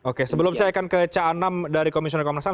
oke sebelum saya akan ke ca enam dari komisional komnas ham